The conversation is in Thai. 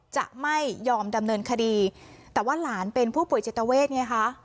จะไม่ยอมดำเนินคดีแต่ว่าหลานเป็นผู้ป่วยจิตเวทไงคะ